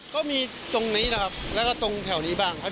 ก็มีตรงนี้นะครับแล้วก็ตรงแถวนี้บ้างครับ